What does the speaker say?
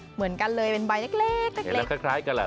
เหมือนกันเลยเป็นใบเล็กเล็กเห็นแล้วคล้ายกันแหละ